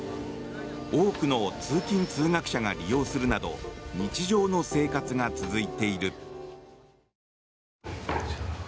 多くの通勤・通学者が利用するなど日常の生活が続いている。